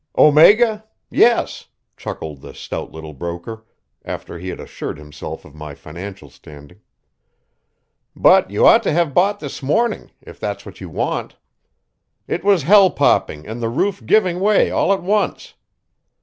"Omega? Yes," chuckled the stout little broker, after he had assured himself of my financial standing. "But you ought to have bought this morning, if that's what you want. It was hell popping and the roof giving 'way all at once."